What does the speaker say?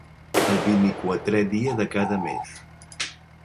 El vint-i-quatrè dia de cada mes.